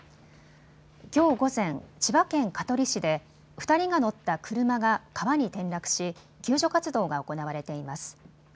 きょう午前、千葉県香取市で２人が乗った車が川に転落し救助活動が行われています。